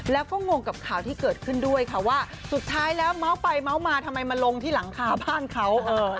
แล้วก็งงกับข่าวที่เกิดขึ้นด้วยค่ะว่าสุดท้ายแล้วเมาส์ไปเมาส์มาทำไมมาลงที่หลังคาบ้านเขา